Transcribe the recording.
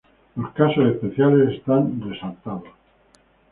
Los casos especiales están resaltados.